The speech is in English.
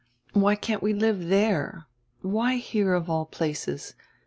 Why can't we live there? Why here, of all places?